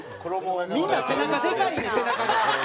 みんな背中でかいねん背中が。